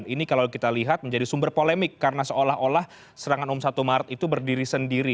ini kalau kita lihat menjadi sumber polemik karena seolah olah serangan umum satu maret itu berdiri sendiri